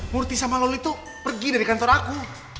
murti sama loli itu pergi dari kantor aku